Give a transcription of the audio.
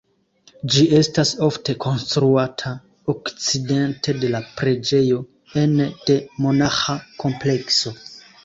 Ĝi estas ofte konstruata okcidente de la preĝejo ene de monaĥa komplekso.